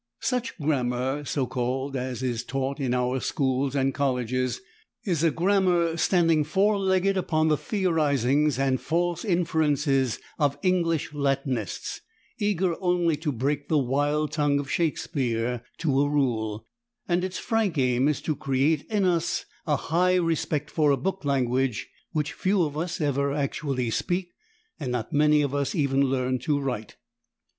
Such grammar, so called, as is taught in our schools and colleges, is a grammar standing four legged upon the theorizings and false inferences of English Latinists, eager only to break the wild tongue of Shakespeare to a rule; and its frank aim is to create in us a high respect for a book language which few of us ever actually speak and not many of us even learn to write.